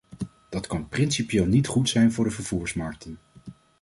Dat kan principieel niet goed zijn voor de vervoersmarkten.